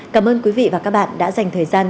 cảm ơn quý vị và các bạn đã dành thời gian